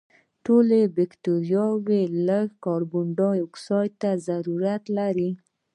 ټولې بکټریاوې لږ کاربن دای اکسایډ ته ضرورت لري.